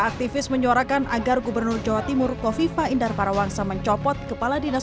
aktivis menyuarakan agar gubernur jawa timur kofifa indar parawansa mencopot kepala dinas